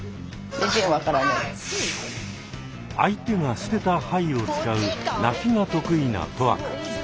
相手が捨てた牌を使う「鳴き」が得意な大志君。